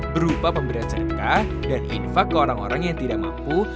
berupa pemberian sedekah dan infak ke orang orang yang tidak mampu